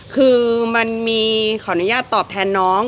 คือมันมีขออนุญาตตอบแทนน้อง